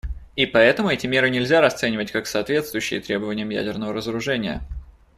И поэтому эти меры нельзя расценивать как соответствующие требованиям ядерного разоружения.